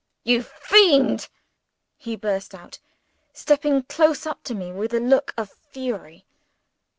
"You fiend!" he burst out, stepping close up to me with a look of fury.